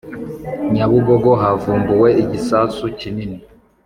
Nyabugogo havumbuwe igisasu kinini